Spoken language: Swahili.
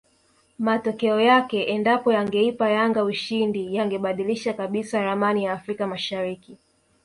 Matokeo yake endapo yangeipa Uganda ushindi yangebadilisha kabisa ramani ya Afrika mashariki